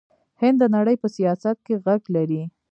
هند د نړۍ په سیاست کې غږ لري.